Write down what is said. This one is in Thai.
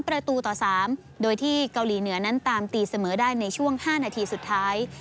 ประตูต่อ๓โดยที่เกาหลีเหนือนั้นตามตีเสมอได้ในช่วง๕นาทีสุดท้าย